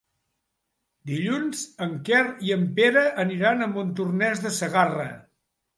Dilluns en Quer i en Pere aniran a Montornès de Segarra.